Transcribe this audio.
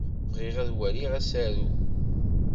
Bɣiɣ ad waliɣ asaru.